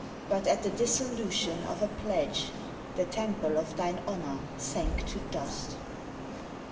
But at the dissolution of a pledge The temple of thine honor sank to dust.